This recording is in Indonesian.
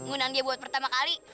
ngundang dia buat pertama kali